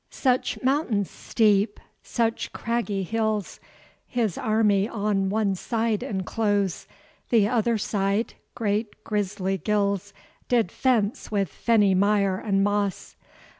Such mountains steep, such craggy hills, His army on one side enclose: The other side, great griesly gills Did fence with fenny mire and moss.